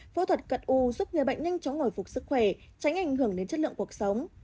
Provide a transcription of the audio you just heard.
phẫu thuật cận u giúp người bệnh nhanh chóng hồi phục sức khỏe tránh ảnh hưởng đến chất lượng cuộc sống